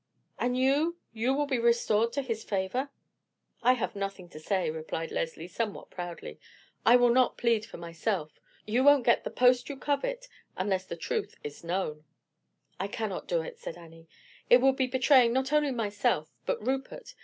"And you—you will be restored to his favor?" "I have nothing to say," replied Leslie somewhat proudly. "I will not plead for myself. You won't get the post you covet unless the truth is known." "I cannot do it," said Annie. "It would be betraying not only myself, but Rupert.